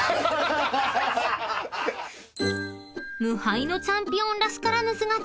［無敗のチャンピオンらしからぬ姿］